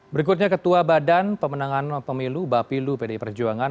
berikutnya ketua badan pemenangan pemilu bapilu pdi perjuangan